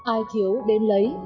ai thiếu đến lấy